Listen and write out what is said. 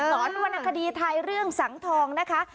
สอนวนักคดีไทยเรื่องสังทองนะคะ